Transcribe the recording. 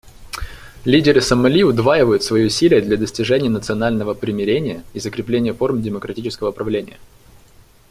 Лидеры Сомали удваивают свои усилия для достижения национального примирения и закрепления форм демократического правления.